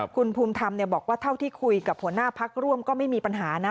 คุณภูมิธรรมบอกว่าเท่าที่คุยกับหัวหน้าพักร่วมก็ไม่มีปัญหานะ